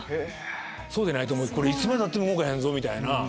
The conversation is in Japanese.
そうでないといつまでたっても動かへんぞみたいな。